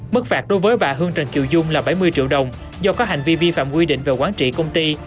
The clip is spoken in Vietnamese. mức phạt đối với bà hương trần kiều dung là bảy mươi triệu đồng do có hành vi vi phạm quy định về quản trị công ty